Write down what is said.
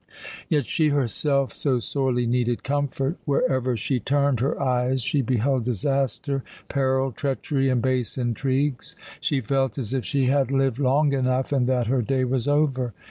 Yet she herself so sorely needed comfort. Wherever she turned her eyes she beheld disaster, peril, treachery, and base intrigues. She felt as if she had lived long enough, and that her day was over.